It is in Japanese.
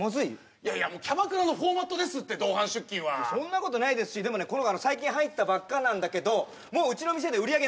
いやいやもうキャバクラのフォーマットですって同伴出勤はそんなことないですでもこの子最近入ったばっかなんだけどもううちの店で売り上げ